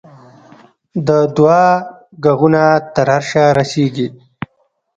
د دعا ږغونه تر عرشه رسېږي.